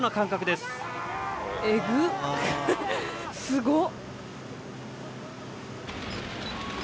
すごっ！